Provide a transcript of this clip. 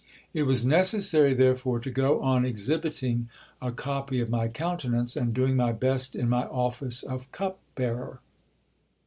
It was necessary therefore to go on exhibiting a copy of my countenance, and doing my best in my office of cup bearer.